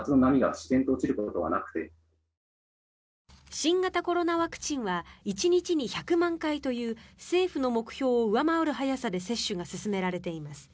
新型コロナワクチンは１日に１００万回という政府の目標を上回る速さで接種が進められています。